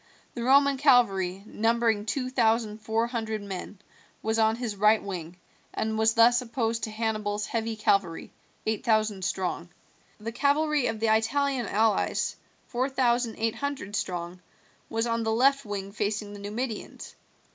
The Roman cavalry, numbering two thousand four hundred men, was on his right wing, and was thus opposed to Hannibal's heavy cavalry, eight thousand strong. The cavalry of the Italian allies, four thousand eight hundred strong, was on the left wing facing the Numidians.